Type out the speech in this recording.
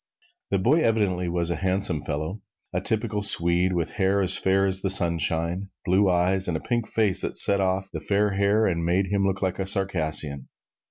The boy evidently was a handsome fellow, a typical Swede, with hair as fair as the sunshine, blue eyes, and a pink face that set off the fair hair and made him look like a Circassian.